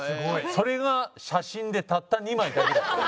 それが写真でたった２枚だけに。